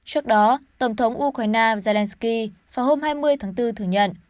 trước đó tổng thống ukraine zelensky vào hôm hai mươi tháng bốn thừa nhận